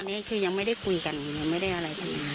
ตอนนี้คือยังไม่ได้คุยกันยังไม่ได้อะไรที